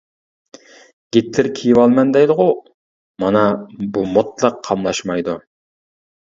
-گىتلېر كىيىۋالىمەن دەيدىغۇ؟ -مانا بۇ مۇتلەق قاملاشمايدۇ!